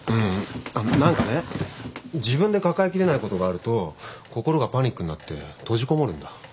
何かね自分で抱えきれないことがあると心がパニックになって閉じこもるんだ。